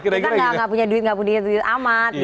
kita nggak punya duit duit amat gitu